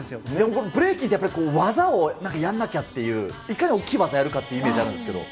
このブレイキンって技をやらなきゃっていう、いかに大きい技をやるかというイメージがあるんですけれども。